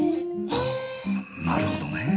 はぁなるほどね。